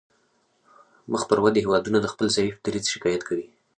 مخ پر ودې هیوادونه د خپل ضعیف دریځ شکایت کوي